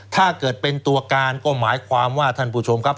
ถ้าเกิดเป็นตัวการก็หมายความว่าท่านผู้ชมครับ